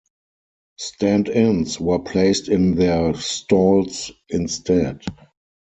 Stand-ins were placed in their stalls instead.